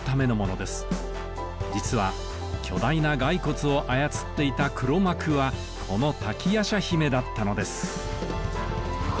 実は巨大な骸骨を操っていた黒幕はこの瀧夜叉姫だったのです。